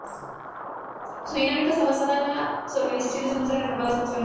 Su dinámica está basada en la organización de muestras renovadas mensualmente.